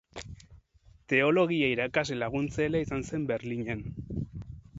Teologia irakasle-laguntzailea izan zen Berlinen.